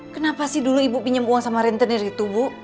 kenapa sih dulu ibu pinjam uang sama rentenir di tubuh